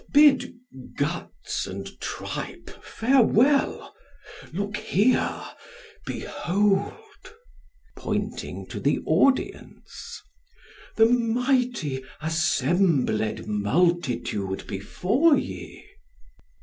Bid guts and tripe farewell! Look here! Behold! (pointing to the audience) The mighty assembled multitude before ye!